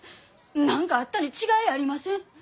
何かあったに違いありません！